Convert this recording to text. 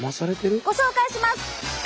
ご紹介します。